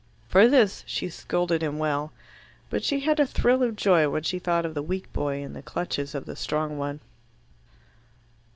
For this she scolded him well. But she had a thrill of joy when she thought of the weak boy in the clutches of the strong one.